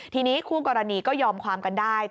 ทีนี้คู่กรณีก็ยอมความกันได้